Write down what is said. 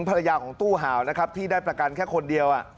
ภรรยาของตู้ห่าวนะครับที่ได้ประกันแค่คนเดียว